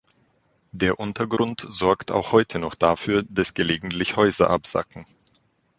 Der Untergrund sorgt auch heute noch dafür, dass gelegentlich Häuser absacken.